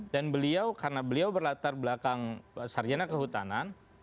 dan beliau karena beliau berlatar belakang sarjana kehutanan